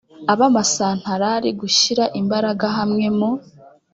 ab’amasantarari, gushyira imbaraga hamwe mu